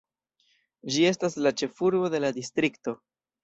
Ĝi estas la ĉefurbo de la distrikto.